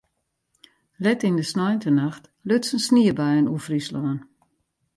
Let yn de sneintenacht lutsen sniebuien oer Fryslân.